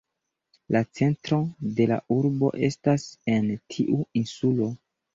La centro de la urbo estas en tiu insulo.